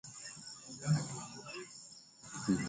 Februari ishirni na nane mwaka elfu mbili ishirini na mbili